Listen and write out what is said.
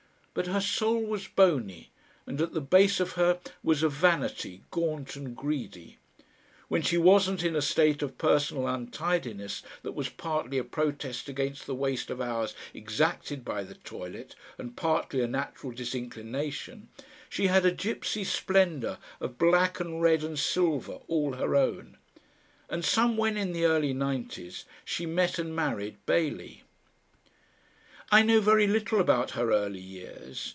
But her soul was bony, and at the base of her was a vanity gaunt and greedy! When she wasn't in a state of personal untidiness that was partly a protest against the waste of hours exacted by the toilet and partly a natural disinclination, she had a gypsy splendour of black and red and silver all her own. And somewhen in the early nineties she met and married Bailey. I know very little about her early years.